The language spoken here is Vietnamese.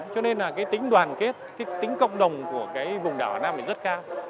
cho nên là cái tính đoàn kết cái tính cộng đồng của cái vùng đảo hà nam này rất cao